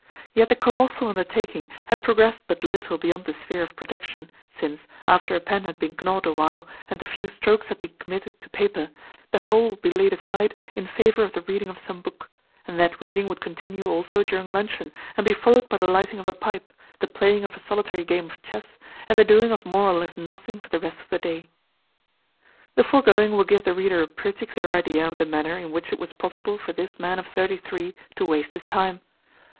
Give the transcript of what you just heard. Yet the colossal undertaking had progressed but little beyond the sphere of projection, since, after a pen had been gnawed awhile, and a few strokes had been committed to paper, the whole would be laid aside in favour of the reading of some book; and that reading would continue also during luncheon and be followed by the lighting of a pipe, the playing of a solitary game of chess, and the doing of more or less nothing for the rest of the day. The foregoing will give the reader a pretty clear idea of the manner in which it was possible for this man of thirty three to waste his time.